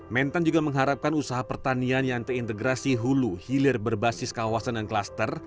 mentan juga mengharapkan usaha pertanian yang terintegrasi hulu hilir berbasis kawasan dan klaster